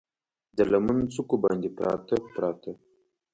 د لمن څوکو باندې، پراته، پراته